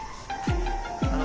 あの。